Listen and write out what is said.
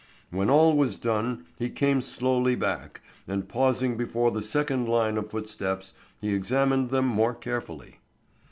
When all was done he came slowly back, and pausing before the second line of footsteps he examined them more carefully.